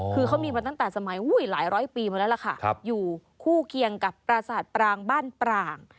คือเขามีมาตั้งแต่สมัยหลายร้อยปีมาแล้วล่ะค่ะอยู่คู่เคียงกับปราศาสตร์ปรางบ้านปราง